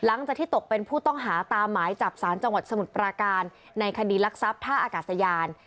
หลังจากที่ตกเป็นผู้ต้องหาตามหมายจับสารจังหวัดสมุทรปราการในคดีรักทรัพย์ท่าอากาศยาน